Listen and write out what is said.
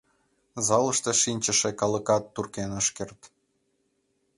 Залыште шинчыше калыкат туркен ыш керт.